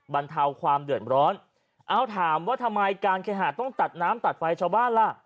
บรรเทาความเดือดร้อนเอาถามว่าทำไมการเคหาต้องตัดน้ำตัดไฟชาวบ้านล่ะ